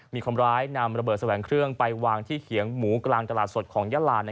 มีคนร้ายนำระเบิดแสวงเครื่องไปวางที่เขียงหมูกลางตลาดสดของยาลา